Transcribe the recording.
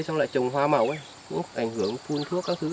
xong lại trồng hoa màu ấy cũng ảnh hưởng phun thuốc các thứ